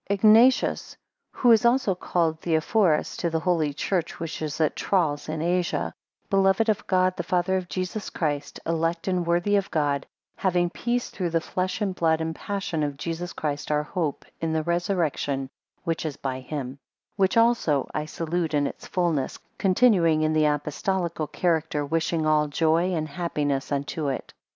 IGNATTUS, who is also called Theophorus, to the holy church which is at Tralles in Asia: beloved of God, the Father of Jesus Christ; elect and worthy of God, having peace through the flesh and blood, and passion of Jesus Christ our hope; in the resurrection which is by him: which also I salute in its fullness, continuing in the apostolical character, wishing all joy and happiness unto it.